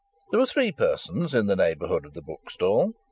There were three persons in the neighbourhood of the bookstall.